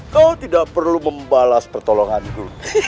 kau tidak perlu membalas pertolonganku